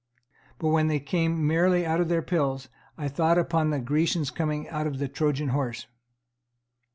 But, when they came merrily out of their pills, I thought upon the Grecians coming out of the Trojan horse.